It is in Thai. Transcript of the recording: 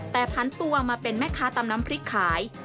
แต่พันตัวมาเป็นแม่ค้าตำน้ำพริกขาย